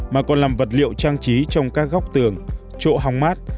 mà còn làm vật liệu trang trí trong các góc tường chỗ hóng mát